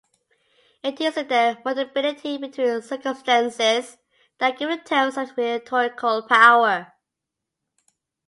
It is in their mutability between circumstances that give the terms such rhetorical power.